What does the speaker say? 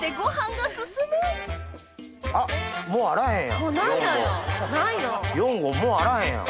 あっもうあらへんやん。